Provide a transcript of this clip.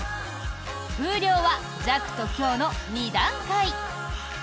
風量は弱と強の２段階。